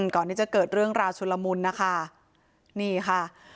ก่อนที่จะเกิดเรื่องราวชุลมุนนะคะนี่ค่ะ